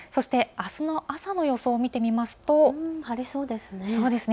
あすの朝の予想を見てみますと晴れそうですね。